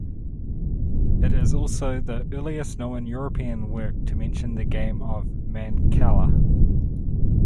It is also the earliest known European work to mention the game of Mancala.